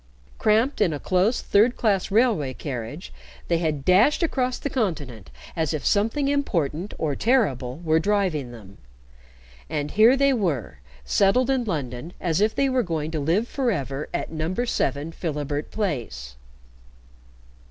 Cramped in a close third class railway carriage, they had dashed across the Continent as if something important or terrible were driving them, and here they were, settled in London as if they were going to live forever at No. 7 Philibert Place.